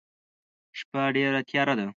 شپه ډيره تیاره ده.